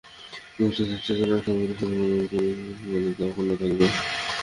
মুক্তিযুদ্ধের চেতনায় অসাম্প্রদায়িক শান্তিপূর্ণ দেশ হিসেবে বিশ্বে বাংলাদেশের মর্যাদা অক্ষুণ্ন থাকবে।